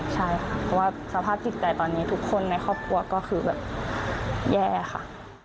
ใช่ค่ะเพราะว่าสภาพจิตใจตอนนี้ทุกคนในครอบครัวก็คือแบบแย่ค่ะ